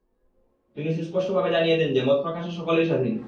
তিনি সুস্পষ্টভাবে জানিয়ে দেন যে, মত প্রকাশে সকলেই স্বাধীন।